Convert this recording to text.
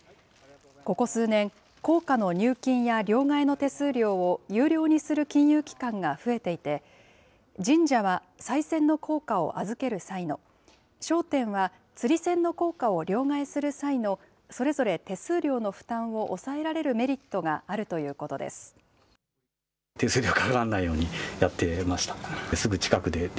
ここ数年、硬貨の入金や両替の手数料を有料にする金融機関が増えていて、神社はさい銭の硬貨を預ける際の、商店は釣り銭の硬貨を両替する際の、それぞれ手数料の負担を抑えられるメリットがあるということです。